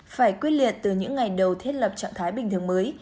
phải quyết liệt từ những ngày đầu thiết lập trạng thái bình thường mới